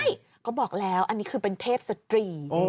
ใช่เขาบอกแล้วอันนี้คือเป็นเทพสตรี